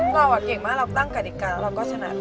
เราเก่งมากเราตั้งกฎิกาแล้วเราก็ชนะ